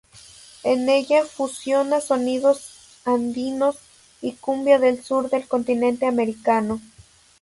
En ella fusiona sonidos andinos y cumbia del sur del continente americano.